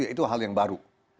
itu hal yang baru